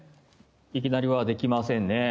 いきなりはできませんね。